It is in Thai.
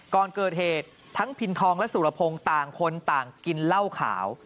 ก่อนเกิดเหตุทั้งพินทองและสุรพงศ์ต่างคนต่างกินเหล้าขาว